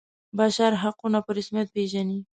بشر حقونه په رسمیت پيژني.